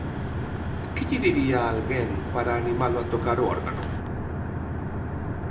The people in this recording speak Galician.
Que lle diría a alguén para animalo a tocar o órgano?